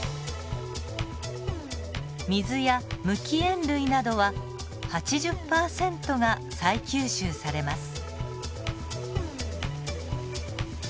水や無機塩類などは８０％が再吸収されます。